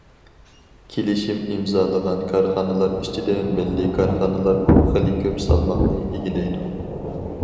كېلىشىم ئىمزالىغان كارخانىلار ئىچىدە مىللىي كارخانىلارمۇ خېلى كۆپ سالماقنى ئىگىلەيدۇ.